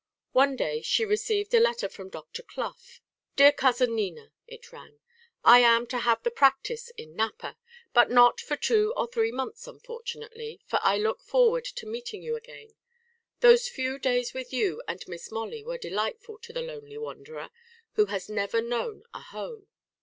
One day she received a letter from Dr. Clough. "DEAR COUSIN NINA," it ran. "I am to have the practice in Napa, but not for two or three months, unfortunately, for I look forward to meeting you again. Those few days with you and Miss Molly were delightful to the lonely wanderer, who has never known a home."